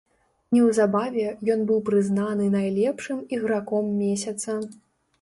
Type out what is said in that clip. Неўзабаве ён быў прызнаны найлепшым іграком месяца.